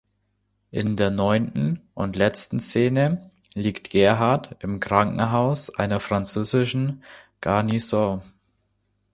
In der neunten und letzten Szene liegt Gerhard im Krankenhaus einer französischen Garnison.